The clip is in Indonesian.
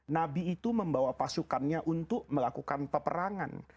nabi itu membawa pasukannya untuk melakukan peperangan